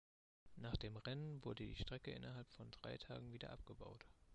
Nach dem Rennen wurde die Strecke innerhalb von drei Tagen wieder abgebaut.